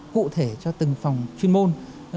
cụ thể cho từng phòng chuyên môn